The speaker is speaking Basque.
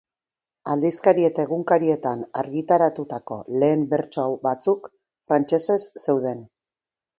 Aldizkari eta egunkarietan argitaratutako lehen bertso batzuk frantsesez zeuden.